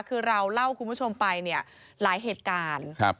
คือเราเล่าคุณผู้ชมไปเนี่ยหลายเหตุการณ์